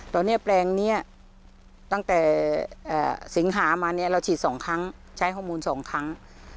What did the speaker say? ตอนนี้แปลงนี้ตั้งแต่สิงหามาเราฉีดสองครั้งใช้โฮมูลสองครั้ง